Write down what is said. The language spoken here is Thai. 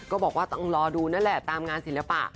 ก็บอกว่าต้องรอดูนั่นแหละตามงานศิลปะ